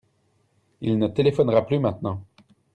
Il ne téléphonera plus maintenant.